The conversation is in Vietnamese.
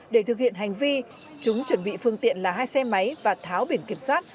để thực hiện hành vi chúng chuẩn bị phương tiện là hai xe máy và tháo biển kiểm soát